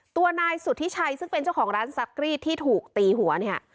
ตัวนายสุธิชัยซึ่งเป็นเจ้าของร้านซักรีดที่ถูกตีหัวเนี่ย